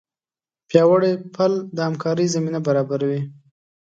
پیاوړی پل د همکارۍ زمینه برابروي.